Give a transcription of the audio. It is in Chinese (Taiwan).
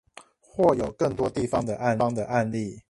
或有更多地方的案例